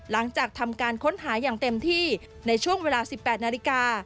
หลังจากทำการค้นหาอย่างเต็มที่ในช่วงเวลา๑๘นาฬิกา